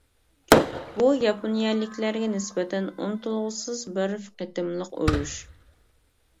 بۇ ياپونىيەلىكلەرگە نىسبەتەن ئۇنتۇلغۇسىز بىر قېتىملىق ئۇرۇش.